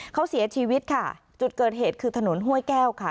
เขาเสียชีวิตค่ะจุดเกิดเหตุคือถนนห้วยแก้วค่ะ